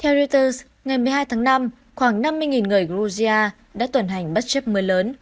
theo reuters ngày một mươi hai tháng năm khoảng năm mươi người georgia đã tuần hành bất chấp mưa lớn